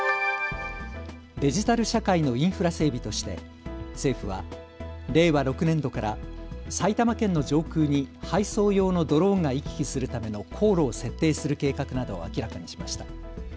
デジタル社会のインフラ整備として政府は令和６年度から埼玉県の上空に配送用のドローンが行き来するための航路を設定する計画などを明らかにしました。